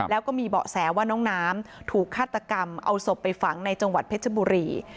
แล้วก็มีเบาะแสว่าน้องน้ำถูกฆาตกรรมเอาศพไปฝังในจังหวัดเพชรบุรี